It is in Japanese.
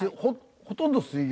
ほとんど水餃子。